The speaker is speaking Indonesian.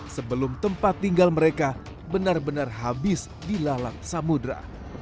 sebelum tempat tinggal mereka benar benar habis dilalat samudera